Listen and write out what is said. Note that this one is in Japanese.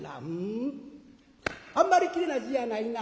あんまりきれいな字やないな。